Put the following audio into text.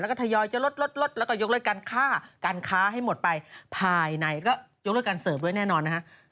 แล้วก็ทยอยจะลดลดแล้วก็ยกเลิกการฆ่าการค้าให้หมดไปภายในก็ยกเลิกการเสิร์ฟด้วยแน่นอนนะฮะ